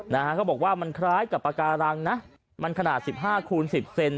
นะฮะเขาบอกว่ามันคล้ายกับปาการังนะมันขนาด๑๕คูณ๑๐เซน